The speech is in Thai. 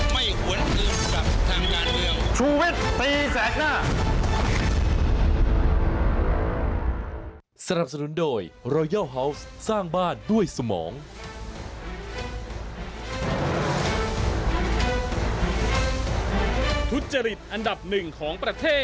ไม่หวนเกินกับทางด้านเรือง